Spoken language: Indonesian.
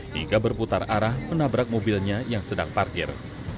hingga berputar arah menabrak mobilnya yang sedang parkir